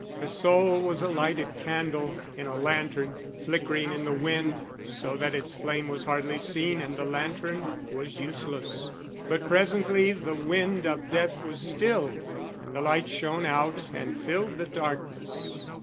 Her soul was a lighted candle in a lantern, flickering in the wind so that its flame was hardly seen and the lantern was useless; but presently the wind of death was stilled, and the light shone out and filled the darkness.